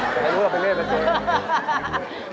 แกร่งกว่าเพียงเล่นแต่เจ๊